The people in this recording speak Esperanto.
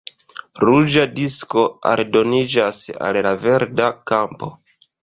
Ruĝa disko aldoniĝas al la verda kampo.